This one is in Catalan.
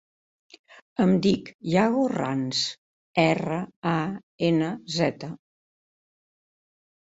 Em dic Yago Ranz: erra, a, ena, zeta.